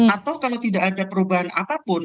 atau kalau tidak ada perubahan apapun